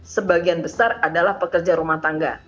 sebagian besar adalah pekerja rumah tangga